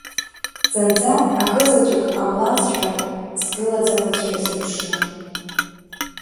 Зынӡа акызаҵәык ҟамлазшәа, сгылаӡамызшәа сыԥшны…